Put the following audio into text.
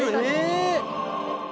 え！